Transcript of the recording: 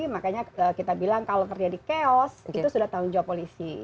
makanya kita bilang kalau terjadi chaos itu sudah tanggung jawab polisi